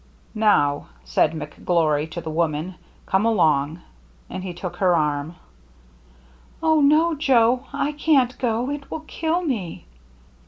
" Now," said McGlory to the woman, " come along !" And he took her arm. "Oh, no, Joe! I can't go! It will kill me!'